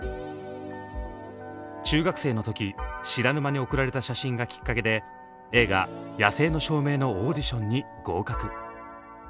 中学生の時知らぬ間に送られた写真がきっかけで映画「野性の証明」のオーディションに合格。